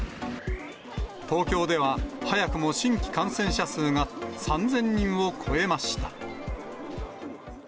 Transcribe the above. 東京では早くも新規感染者数が３０００人を超えました。